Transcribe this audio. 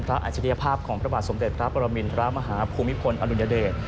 อาจริยภาพของพระบาทสมเด็จพระปรมินทรมาฮภูมิพลอดุลยเดช